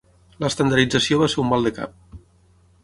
L'estandardització va ser un maldecap.